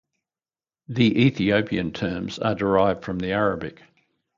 The Ethiopian terms are derived from the Arabic.